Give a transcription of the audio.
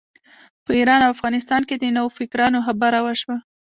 په ایران او افغانستان کې د نوفکرانو خبره وشوه.